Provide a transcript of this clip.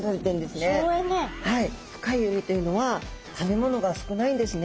深い海というのは食べ物が少ないんですね。